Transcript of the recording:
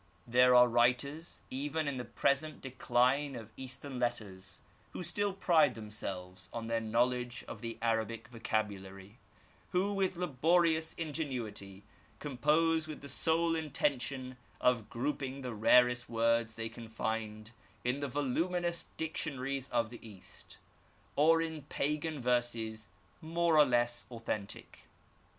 There are writers, even in the present decline of Eastern letters, who still pride themselves on their knowledge of the Arabic vocabulary : who, with laborious ingenuity, compose with the sole intention of grouping the rarest words they can find in the voluminous dictionaries of the East, or in pagan verses more or less authentic.